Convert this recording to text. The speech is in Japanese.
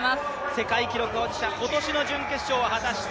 世界記録保持者、今年の準決勝は果たして。